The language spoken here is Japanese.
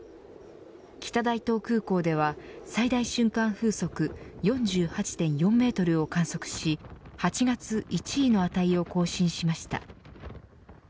北大東空港では最大瞬間風速４８．４メートルを観測し８月１位の値を観測しました。